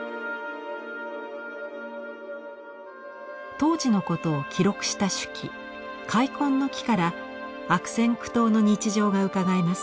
当時のことを記録した手記「開墾の記」から悪戦苦闘の日常がうかがえます。